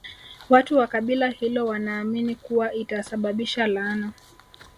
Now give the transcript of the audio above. Watu wa kabila hilo wanaamini kuwa itasababisha laana